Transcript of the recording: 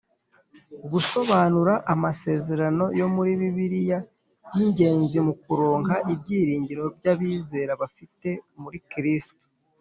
Gusobanura amasezerano yo muri Bibiliya y'ingenzi mu kuronka ibyiringiro byo abizera bafite muri Kristo